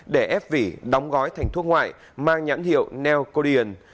để ép vỉ đóng gói thành thuốc ngoại mang nhãn hiệu nail korean